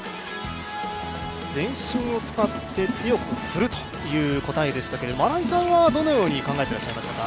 全身を使って強く振るという答えでしたけれども、新井さんはどのように考えていましたか。